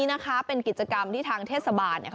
ตามไปดูกันว่าเขามีการแข่งขันอะไรที่เป็นไฮไลท์ที่น่าสนใจกันค่ะ